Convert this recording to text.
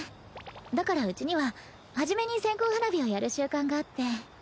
だからうちには初めに線香花火をやる習慣があって。